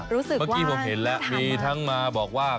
รู้สึกว่าทำมาเมื่อกี้ผมเห็นแล้วมีทางมาบอกว่า